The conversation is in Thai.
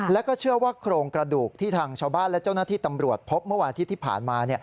แล้วก็เชื่อว่าโครงกระดูกที่ทางชาวบ้านและเจ้าหน้าที่ตำรวจพบเมื่อวานอาทิตย์ที่ผ่านมา